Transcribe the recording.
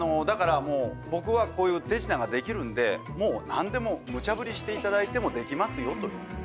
だから僕はこういう手品ができるんでもう何でもムチャぶりしていただいてもできますよという。